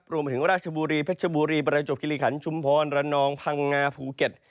รวมไปถึงราชบุรีเพชรบุรีประจบคิริขันชุมพรระนองพังงาภูเก็ต